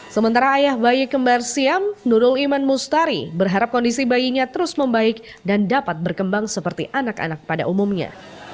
sementara ayah bayi kembar siam nurul iman mustari berharap kondisi bayinya terus membaik dan dapat berkembang seperti anak anak pada umumnya